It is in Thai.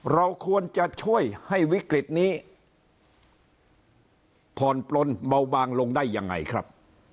เราควรจะช่วยให้วิกฤตนี้ผ่อนปลนเบาบางลงได้ยังไงครับ